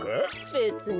べつに。